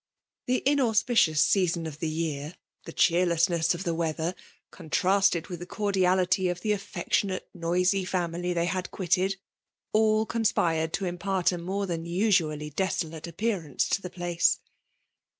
The inauspicious season of the year, the cheerlessness of the weather, contrasted mth the cordiality of the affectionate noisy family circle they had quitted, all conspired to impart a more than usually desolate appearance to the place.